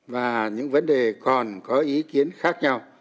và những vấn đề còn có ý kiến khác nhau